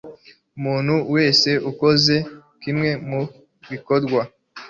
umuntu wese ukoze kimwe mu bikorwa